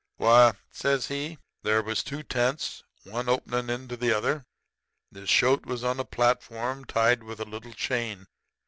Why,' says he, 'there was two tents, one openin' into the other. This shoat was on a platform, tied with a little chain.